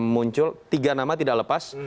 muncul tiga nama tidak lepas